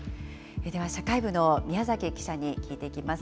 では、社会部の宮崎記者に聞いていきます。